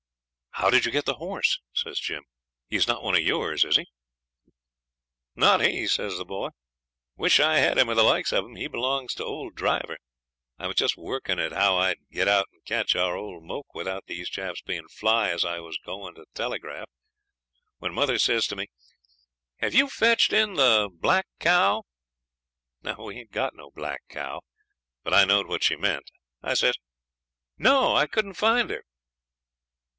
'How did you get the horse?' says Jim. 'He's not one of yours, is he?' 'Not he,' says the boy; 'I wish I had him or the likes of him. He belongs to old Driver. I was just workin' it how I'd get out and catch our old moke without these chaps being fly as I was going to talligrarph, when mother says to me '"Have you fetched in the black cow?" 'We ain't got no black cow, but I knowed what she meant. I says '"No, I couldn't find her."